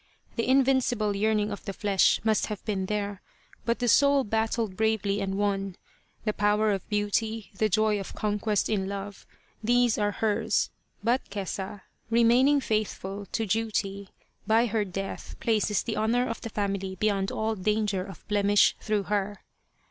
The invincible yearning of the flesh must have been there, but the soul battled bravely and won. The power of beauty, the joy of conquest in love, these are hers ; but Kesa, remaining faithful to duty, by her death places the honour of the family beyond all danger of blemish through her.